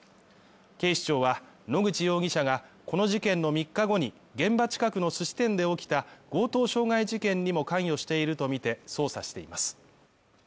警視庁は野口容疑者がこの事件の３日後に現場近くのすし店で起きた強盗傷害事件にも関与しているとみて捜査しています。